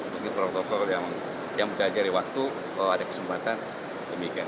mungkin protokol yang menjajari waktu kalau ada kesempatan demikian